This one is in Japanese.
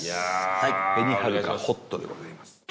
紅はるかホットでございます。